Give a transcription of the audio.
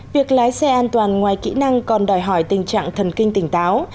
việc lái xe an toàn ngoài kỹ năng còn đòi hỏi tình trạng thần kinh tỉnh táo